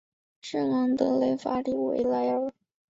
圣昂德雷法里维莱尔。